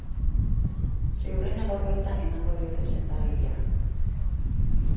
Ziurrena gaur bertan emango diote senda-agiria.